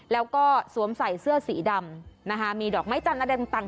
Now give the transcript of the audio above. แล้วก็สวมใส่เสื้อสีดำนะคะมีดอกไม้จันทร์อะไรต่าง